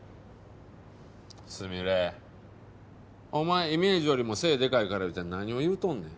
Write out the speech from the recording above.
すみれお前イメージよりも背でかいからいうて何を言うとんねん。